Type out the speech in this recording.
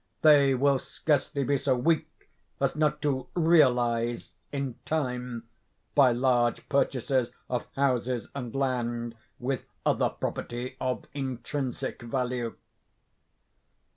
They will scarcely be so weak as not to 'realize,' in time, by large purchases of houses and land, with other property of intrinsic value.